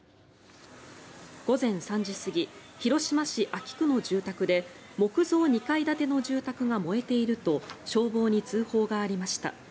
午前３時過ぎ広島市安芸区の住宅で木造２階建ての住宅が燃えていると消防に通報がありました。